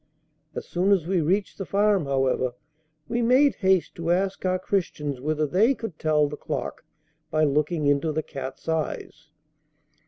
As soon as we reached the farm, however, we made haste to ask our Christians whether they could tell the clock by looking into the cat's eyes.